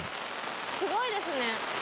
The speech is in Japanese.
すごいですね。